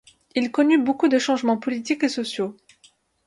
Il connut beaucoup de changements politiques et sociaux.